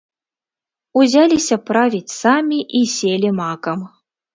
Узяліся правіць самі і селі макам.